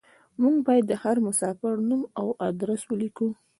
موږ بايد د هر مساپر نوم او ادرس وليکو.